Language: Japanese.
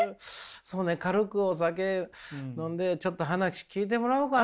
そうね軽くお酒飲んでちょっと話聞いてもらおうかな。